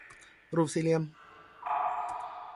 รูปสี่เหลี่ยม